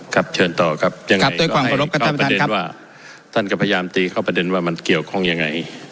ครับเชิญต่อครับยังไงก็ต้องให้ตอบประเด็นว่าท่านก็พยายามตีเข้าประเด็นว่ามันเกี่ยวข้องยังไง